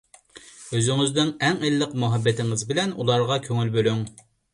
ئۆزىڭىزنىڭ ئەڭ ئىللىق مۇھەببىتىڭىز بىلەن ئۇلارغا كۆڭۈل بۆلۈڭ.